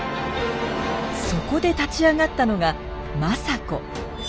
そこで立ち上がったのが政子。